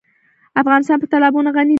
افغانستان په تالابونه غني دی.